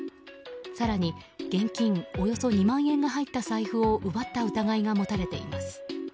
更に現金およそ２万円が入った財布を奪った疑いが持たれています。